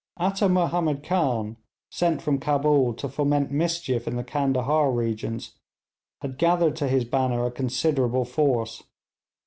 Atta Mahomed Khan, sent from Cabul to foment mischief in the Candahar regions, had gathered to his banner a considerable force.